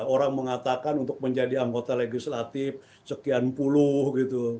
orang mengatakan untuk menjadi anggota legislatif sekian puluh gitu